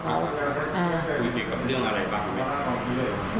คุยเกี่ยวกับเรื่องอะไรบ้าง